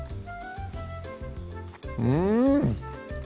うん！